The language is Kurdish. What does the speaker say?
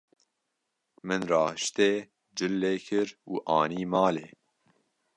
Min rahiştê, cil lê kir û anî malê.